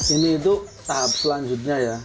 ini itu tahap selanjutnya ya